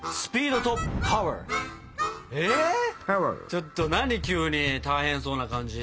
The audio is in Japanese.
ちょっと何急に大変そうな感じ。